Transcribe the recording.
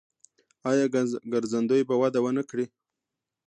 آیا ګرځندوی به وده ونه کړي؟